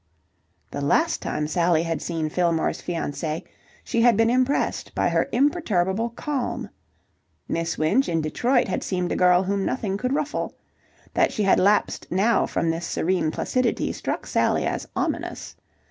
The last time Sally had seen Fillmore's fiancée, she had been impressed by her imperturbable calm. Miss Winch, in Detroit, had seemed a girl whom nothing could ruffle. That she had lapsed now from this serene placidity, struck Sally as ominous.